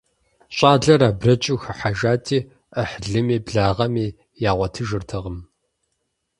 ЩӀалэр абрэджу хыхьэжати, Ӏыхьлыми благъэми ягъуэтыжыртэкъым.